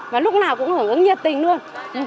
và lúc nào cũng hưởng ứng nhiệt tình luôn